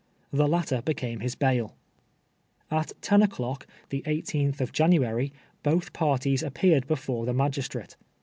The latter became his bail. At ten o'clock, the ISth of January, 1)oth parties ajipeared before the magistrate.